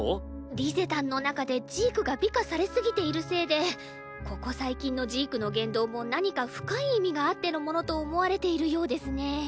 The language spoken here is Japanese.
リゼたんの中でジークが美化され過ぎているせいでここ最近のジークの言動も何か深い意味があってのものと思われているようですね。